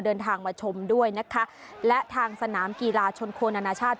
เดินทางมาชมด้วยนะคะและทางสนามกีฬาชนโคนานานาชาติ